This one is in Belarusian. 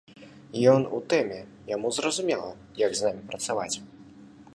Ён у тэме, яму зразумела, як з намі працаваць.